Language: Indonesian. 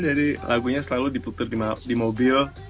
jadi lagunya selalu diputer di mobil